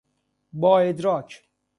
با ادراک